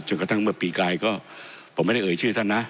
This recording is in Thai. กระทั่งเมื่อปีกลายก็ผมไม่ได้เอ่ยชื่อท่านนะ